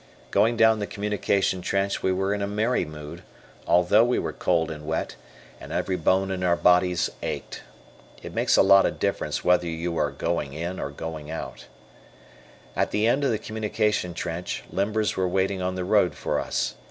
Going down the communication trench we were in a merry mood, although we were cold and wet, and every bone in our bodies ached. It makes a lot of difference whether you are "going in" or "going out." At the end of the communication trench, limbers were waiting on the road for us.